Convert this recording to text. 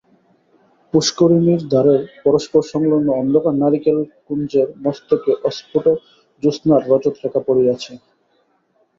পুষ্করিণীর ধারের পরস্পরসংলগ্ন অন্ধকার নারিকেলকুঞ্জের মস্তকে অস্ফুট জ্যোৎস্নার রজতরেখা পড়িয়াছে।